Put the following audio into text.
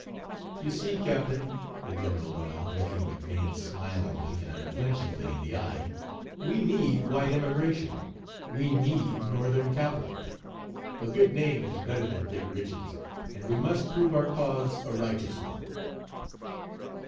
"You see, captain," the general went on, looking McBane smilingly and unflinchingly in the eye, "we need white immigration we need Northern capital. 'A good name is better than great riches,' and we must prove our cause a righteous one."